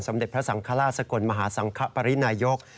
สมเด็จพระสังคลาศกลมหาสังขปรินายก